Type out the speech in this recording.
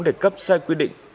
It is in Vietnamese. để cấp sai quy định